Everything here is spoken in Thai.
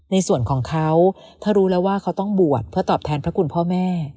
ในส่วนของเขาถ้ารู้แล้วว่าเขาต้องบวชเพื่อตอบแทนพระคุณพ่อแม่